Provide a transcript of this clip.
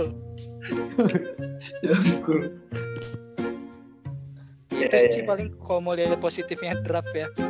itu sih paling kalau mau lihat positifnya draft ya